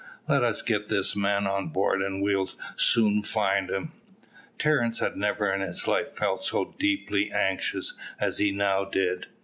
Let us get this man on board, and we will soon find him." Terence had never in his life felt so deeply anxious as he now did.